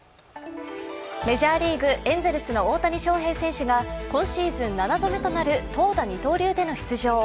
メジャーリーグ、エンゼルスの大谷翔平選手が今シーズン７度目となる投打・二刀流での出場。